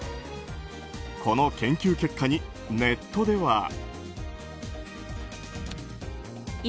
この研究結果にネットでは。